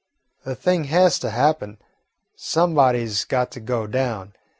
The thing has to happen. Somebody 's got to go down.